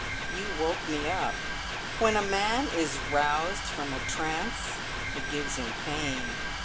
You woke me up. When a man is roused from a trance it gives him pain.